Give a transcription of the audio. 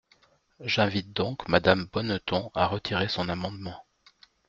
J’invite donc Madame Bonneton à retirer son amendement.